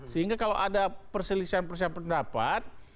sehingga kalau ada perselisian perselisian pendapat